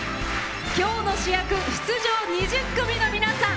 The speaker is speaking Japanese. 今日の主役、出場２０組の皆さん